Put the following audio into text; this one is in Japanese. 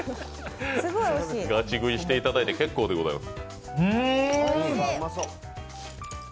ガチ食いしていただいて結構でございます。